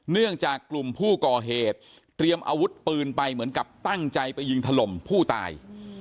เนื่องจากกลุ่มผู้ก่อเหตุเตรียมอาวุธปืนไปเหมือนกับตั้งใจไปยิงถล่มผู้ตาย